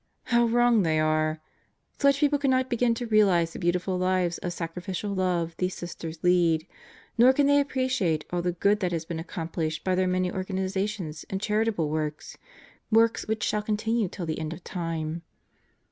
How wrong they are! Such people cannot begin to realize the beautiful lives of sacrificial love these Sisters lead; nor can they appreciate all the good that has been accomplished by their many organizations and charita ble works works which shall continue till the end of time.